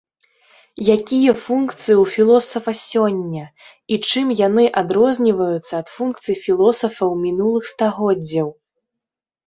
Якія функцыі ў філосафа сёння і чым яны адрозніваюцца ад функцый філосафаў мінулых стагоддзяў?